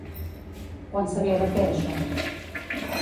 Quan s'havia de fer això?